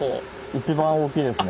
一番大きいですね。